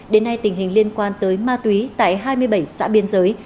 đến nay tình hình liên quan tới ma túy tại hai mươi bảy xã biên giới